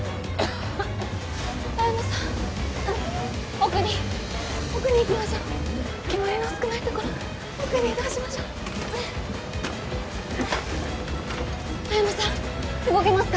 奥に奥に行きましょう煙の少ない所奥に移動しましょう彩乃さん動けますか？